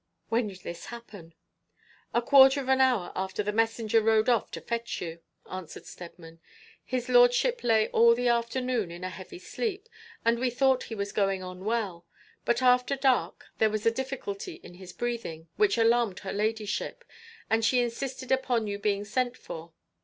'When did this happen?' 'A quarter of an hour after the messenger rode off to fetch you,' answered Steadman. 'His lordship lay all the afternoon in a heavy sleep, and we thought he was going on well; but after dark there was a difficulty in his breathing which alarmed her ladyship, and she insisted upon you being sent for.